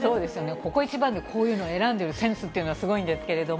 ここ一番にこういうのを選んでいるセンスというのがすごいんですけれども。